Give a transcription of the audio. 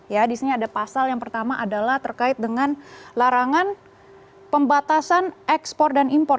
ya di sini ada pasal yang pertama adalah terkait dengan larangan pembatasan ekspor dan impor